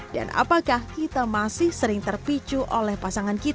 dan apakah kita masih sering terpicu oleh pasangan kita